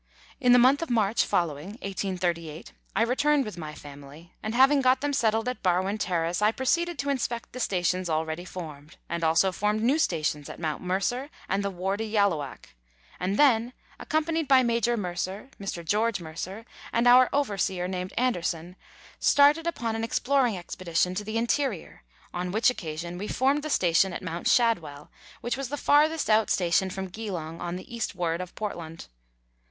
In the month of March following (1838.) I returned with my family, and having got them settled at Barwon Terrace, I proceeded to inspect the stations already formed, and also formed new stations at Mount Mercer and the Wardy Yalloak ; and then, accompanied by Major Mercer, Mr. George Mercer, and our over seer named Anderson, started upon an exploring expedition to the interior, on which occasion we formed the station at Mount Shadwell, which was the farthest out station from Geelong, on the eastward of Portland.